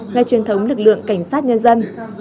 ngày truyền thống lực lượng cảnh sát nhân dân